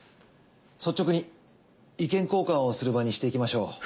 率直に意見交換をする場にしていきましょう。